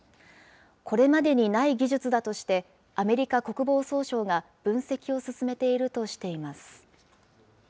これまでにない技術だとして、アメリカ国防総省が分析を進めているとしています。